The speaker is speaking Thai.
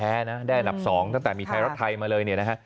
แรกที่เป็นอันดับแรกแรกเสือดมาได้อันดับ๒ตั้งแต่มีไทยรักษาไทยมาเลยนี่นะฮะ